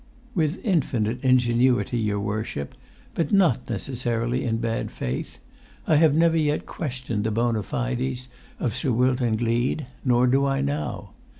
"With infinite ingenuity, your worship, but not necessarily in bad faith. I have never yet questioned the bona fides of Sir Wilton Gleed; nor do I now.